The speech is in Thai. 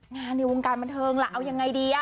ในวงการบันเทิงล่ะเอายังไงดี